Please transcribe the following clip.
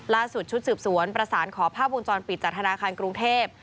ชุดสืบสวนประสานขอภาพวงจรปิดจากธนาคารกรุงเทพ